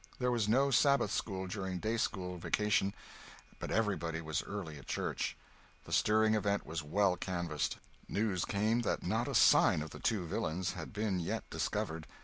There was no Sabbath school during day school vacation, but everybody was early at church. The stirring event was well canvassed. News came that not a sign of the two villains had been yet discovered.